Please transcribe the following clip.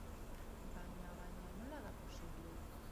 Baina, baina... nola da posible?